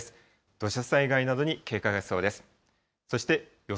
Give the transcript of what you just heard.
土砂災害などに警戒が必要です。